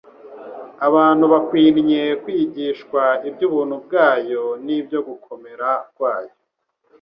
abantu bakwinye kwigishwa iby'ubuntu bwayo n'ibyo gukomera kwayo